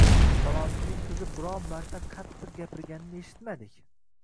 Falonchining qizi biron marta qattiq gapirganini eshitmadik.